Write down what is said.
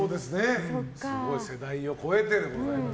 世代を超えてでございます。